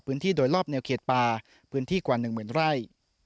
พื้นที่โดยรอบเนียวเขตปลาพื้นที่กว่าหนึ่งเหมือนไร่